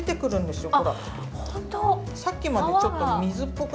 さっきまでちょっと水っぽく